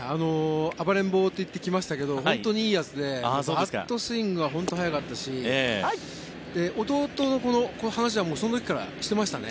暴れん坊と言ってきましたけど本当にいいやつでバットスイングが速かったし弟の話はその時からしていましたね。